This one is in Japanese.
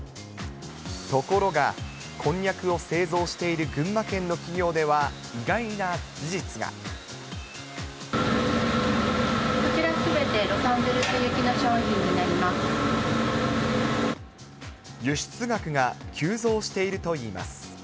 ところが、こんにゃくを製造している群馬県の企業では、意外な事こちらすべて、ロサンゼルス輸出額が急増しているといいます。